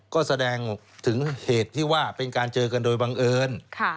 ก็แสดงถึงเหตุที่ว่าเป็นการเจอกันโดยบังเอิญ